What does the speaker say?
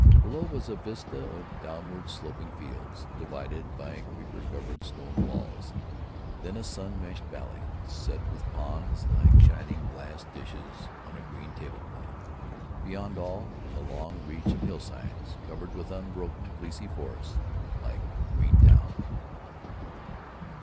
Below was a vista of downward sloping fields, divided by creeper covered stone walls; then a sun meshed valley set with ponds like shining glass dishes on a green table cloth; beyond all, a long reach of hillsides covered with unbroken fleecy forest, like green down....